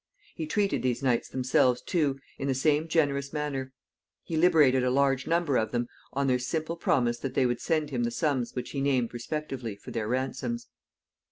He treated these knights themselves, too, in the same generous manner. He liberated a large number of them on their simple promise that they would send him the sums which he named respectively for their ransoms.